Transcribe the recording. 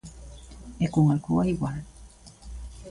E con Alcoa igual.